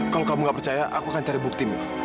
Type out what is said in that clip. kalau kamu gak percaya aku akan cari buktimu